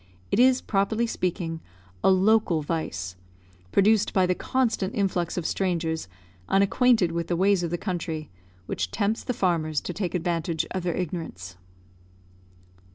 It is, properly speaking, a local vice, produced by the constant influx of strangers unacquainted with the ways of the country, which tempts the farmers to take advantage of their ignorance.